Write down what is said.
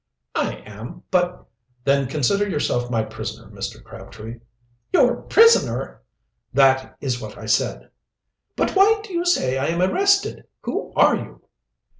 "I am; but " "Then consider yourself my prisoner, Mr. Crabtree." "Your prisoner!" "That is what I said." "But why do you say I am arrested? Who are you?"